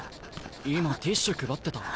今ティッシュ配ってた？